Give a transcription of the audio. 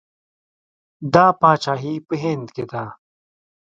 دا پاچاهي په هند کې ده.